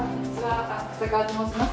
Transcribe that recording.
浅川と申します。